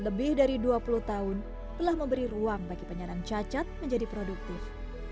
lebih dari dua puluh tahun telah memberi ruang bagi penyandang cacat menjadi produktif